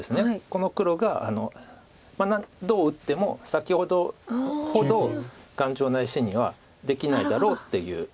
この黒がどう打っても先ほどほど頑丈な石にはできないだろうっていう。